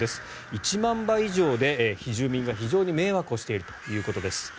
１万羽以上で住民が非常に迷惑しているということです。